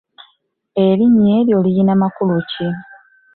Erinnya eryo lirina makulu ki?